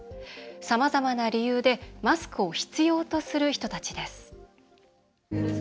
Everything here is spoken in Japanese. さまざまな理由でマスクを必要とする人たちです。